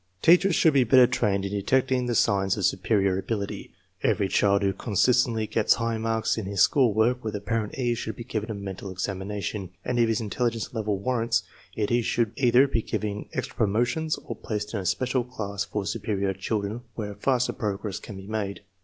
1 Teachers should be better trained in delecting the signs of superior ability. Every child who consistently gets high marks in his school work with apparent case should be given a mental examination, and if his intelligence level war rants it he should either be given extra promotions, or placed in a special class for superior children where faster progress can be made.